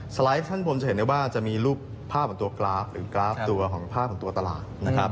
ไลด์ท่านผมจะเห็นได้ว่าจะมีรูปภาพของตัวกราฟหรือกราฟตัวของภาพของตัวตลาดนะครับ